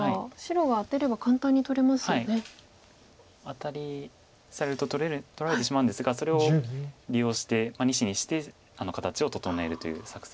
アタリされると取られてしまうんですがそれを利用して２子にして形を整えるという作戦です。